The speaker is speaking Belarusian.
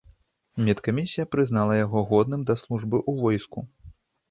Медкамісія прызнала яго годным да службы ў войску.